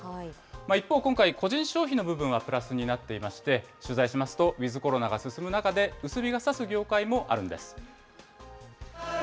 一方、今回、個人消費の部分はプラスになっていまして、取材しますと、ウィズコロナが進む中で薄日がさす業界もあるんです。